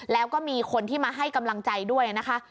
แล้วก็มีคนที่มาให้กำลังใจด้วยนะคะ